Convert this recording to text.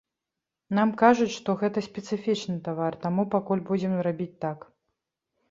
Нам кажуць, што гэта спецыфічны тавар, таму пакуль будзем рабіць так.